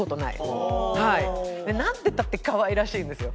ああー！なんていったって可愛らしいんですよ。